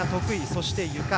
そして、ゆか。